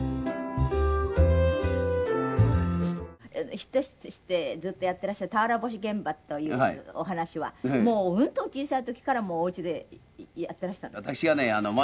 ヒットしてずっとやっていらっしゃる『俵星玄蕃』というお話はもううんとお小さい時からおうちでやっていらしたんですか？